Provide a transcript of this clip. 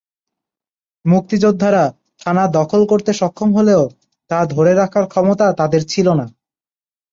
মুক্তিযোদ্ধারা থানা দখল করতে সক্ষম হলেও তা ধরে রাখার ক্ষমতা তাদের ছিল না।